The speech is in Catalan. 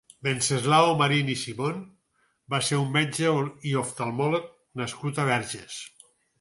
Wenceslao Marin i Simón va ser un metge i oftalmòleg nascut a Verges.